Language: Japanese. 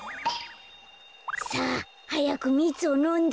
さあはやくみつをのんで。